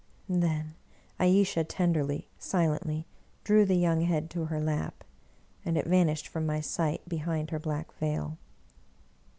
Then Ayesha tenderly, silently, drew the young head to her lap, and it vanished from my sight behind her black veil.